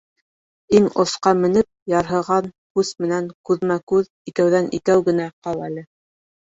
Иң осҡа менеп, ярһыған күс менән күҙмә-күҙ, икәүҙән-икәү генә ҡал әле.